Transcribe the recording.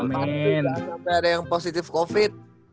jangan sampai ada yang positif covid